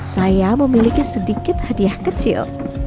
saya memiliki sedikit hadiah kecil